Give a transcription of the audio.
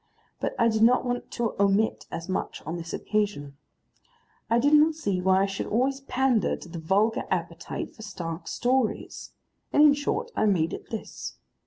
But I did not want to omit as much on this occasion. I do not see why I should always pander to the vulgar appetite for stark stories. And in short, I made it this.